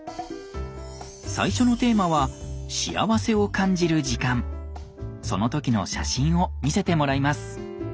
最初のテーマはその時の写真を見せてもらいます。